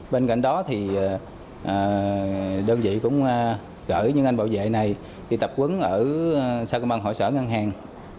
bên cạnh đó đơn vị cũng gửi những anh bảo vệ này đi tập quấn ở sao công ban hội sở ngân hàng